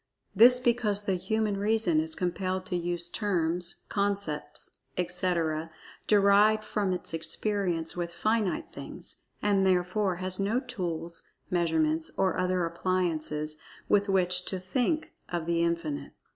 This because the human reason is compelled to use terms, concepts, etc., derived from its experience with finite things, and therefore has no tools, measurements, or other appliances with which to "think" of The Infinite.